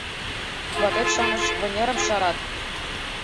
Ватет-шамыч вынерым шарат